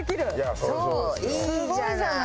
すごいじゃない。